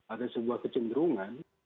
ada sebuah kecenderungan